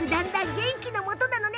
元気のもとなのね。